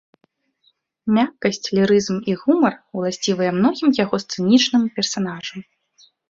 Мяккасць, лірызм і гумар уласцівыя многім яго сцэнічным персанажам.